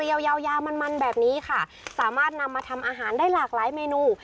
ยาวยาวมันมันแบบนี้ค่ะสามารถนำมาทำอาหารได้หลากหลายเมนู